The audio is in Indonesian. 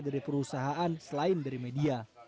dari perusahaan selain dari media